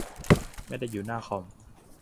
ไม่ได้อยู่หน้าคอม